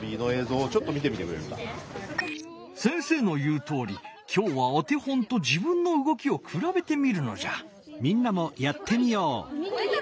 先生の言うとおりきょうはお手本と自分のうごきを比べてみるのじゃ。